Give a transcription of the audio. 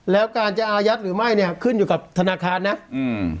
แล้วการจะอายัดหรือไม่เนี้ยขึ้นอยู่กับธนาคารนะอืม